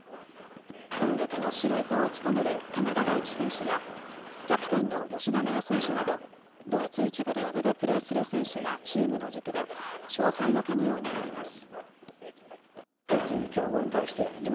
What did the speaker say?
攻撃の司令塔を務める鎌田大地選手やキャプテンの吉田麻也選手など、ドイツ１部リーグでプレーする選手がチームの軸で勝敗の鍵を握ります。